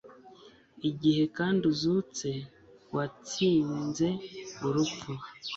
igihe kandi uzutse watsinze urupfu